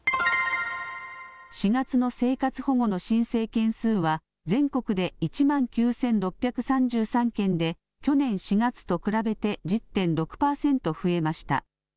４月の生活保護の申請件数は全国で１万９６３３件で去年４月と比べて１０．６％増えました。